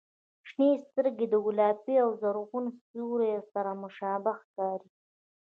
• شنې سترګې د ګلابي او زرغون سیوري سره مشابه ښکاري.